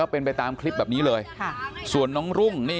เป็นไปตามคลิปแบบนี้เลยส่วนน้องรุ่งนี่